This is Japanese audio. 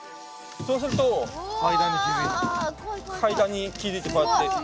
そうすると階段に気付いてこうやって。